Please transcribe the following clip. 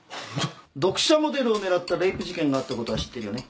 読者モデルを狙ったレイプ事件があったことは知ってるよね？